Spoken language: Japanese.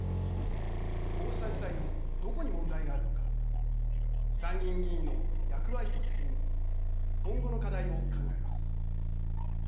こうした事態のどこに問題があるのか参議院議員の役割と責任今後の課題を考えます。